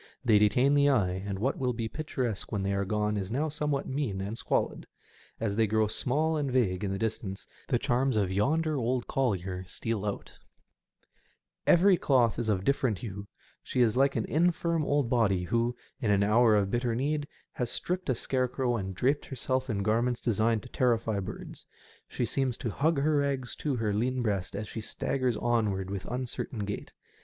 They detain the eye, and what will be picturesque when they are gone is now somewhat mean and squalid. As they grow small and vague in the distance, the charms of yonder old collier steal out. 204 SEASIDE EFFECTS. Every cloth is of different hue ; she is like an infirm old body who, in an hour of bitter need, has stripped a scarecrow, and draped herself in garments designed to terrify birds; she seems to hug her rags to her lean breast as she staggers onwards with uncertain gait.